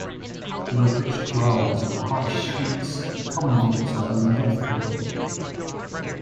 Low-pitched growls and harsh shrieks are common vocal styles in deathcore.